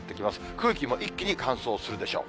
空気も一気に乾燥するでしょう。